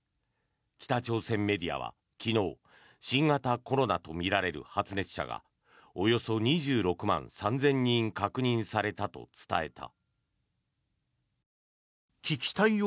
北朝鮮メディアは昨日新型コロナとみられる発熱者がおよそ２６万３０００人確認されたと伝えた。